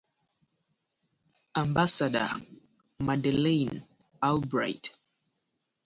Ambassador Madeleine Albright.